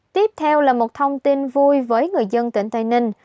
tiếp theo là một thông tin vui với người dân tỉnh tây ninh